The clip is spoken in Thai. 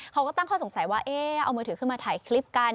เขาก็ตั้งข้อสงสัยว่าเอ๊ะเอามือถือขึ้นมาถ่ายคลิปกัน